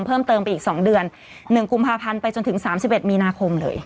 เพิ่มเติมไปอีกสองเดือนหนึ่งกุมภาพันธ์ไปจนถึงสามสิบเอ็ดมีนาคมเลย